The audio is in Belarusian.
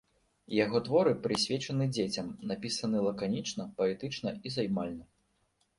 Яго творы прысвечаны дзецям, напісаны лаканічна, паэтычна і займальна.